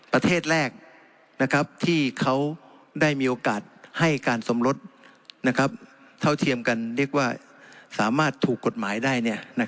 ประเทศแรกที่เขาได้มีโอกาสให้การสมรสเท่าเทียมกันเรียกว่าสามารถถูกกฎหมายได้